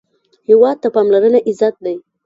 هېواد ته پاملرنه عزت دی